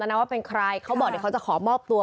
นะว่าเป็นใครเขาบอกเดี๋ยวเขาจะขอมอบตัว